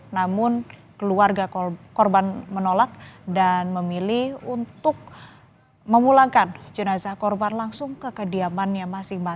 namun keluarga korban menolak dan memilih untuk memulangkan jenazah korban langsung ke kediamannya